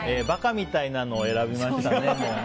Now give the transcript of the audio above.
馬鹿みたいなのを選びました。